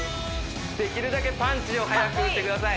できるだけパンチを速く打ってください